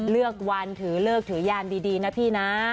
เลือกวันถือเลิกถือยามดีนะพี่นะ